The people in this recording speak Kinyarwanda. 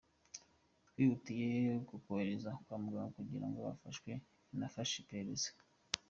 Twihutiye kumwohereza kwa muganga kugira ngo afashwe, binafashe iperereza.